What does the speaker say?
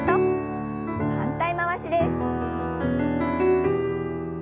反対回しです。